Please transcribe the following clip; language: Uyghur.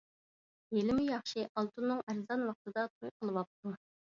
ھېلىمۇ ياخشى ئالتۇننىڭ ئەرزان ۋاقتىدا توي قىلىۋاپتۇ.